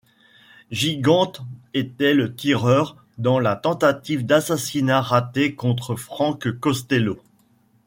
Gigante était le tireur dans la tentative d'assassinat ratée contre Frank Costello.